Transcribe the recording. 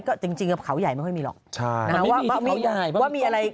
ก็จริงจริงกับเขาใหญ่ไม่ค่อยมีหรอกใช่มันไม่มีที่เขาใหญ่ว่ามีอะไร